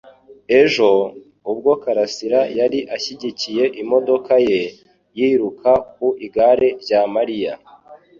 Ejo, ubwo Karasira yari ashyigikiye imodoka ye, yiruka ku igare rya Mariya.